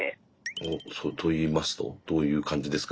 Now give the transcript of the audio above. お？と言いますとどういう感じですか？